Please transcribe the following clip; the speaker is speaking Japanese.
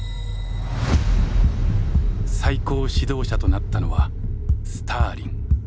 最高指導者となったのはスターリン。